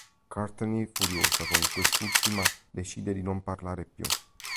Courtney furiosa con quest'ultima decide di non parlare più.